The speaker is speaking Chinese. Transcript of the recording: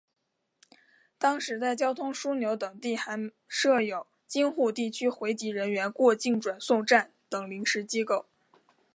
当时在交通枢纽等地还设有京沪地区回籍人员过境转送站等临时机构。